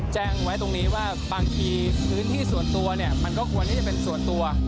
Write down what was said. แจ้งไว้ตรงนี้ว่าบางทีพื้นที่ส่วนตัวเนี่ยมันก็ควรที่จะเป็นส่วนตัว